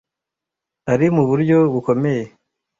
ari muburyo bukomeye